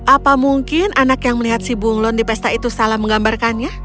apa mungkin anak yang melihat si bunglon di pesta itu salah menggambarkannya